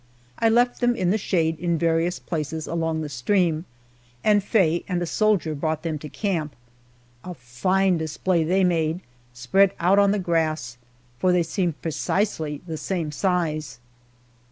I left them in the shade in various places along the stream, and Faye and a soldier brought them to camp. A fine display they made, spread out on the grass, for they seemed precisely the same size.